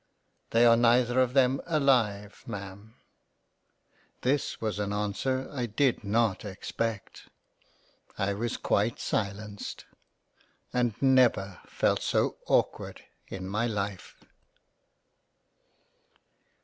" They are neither of them alive Ma'am." This was an answer I did not expect — I was quite silenced, and never felt so awkward in my Life